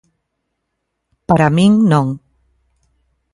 Para min non.